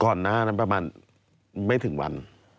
ก่อนนะครับประมาณไม่ถึงวัน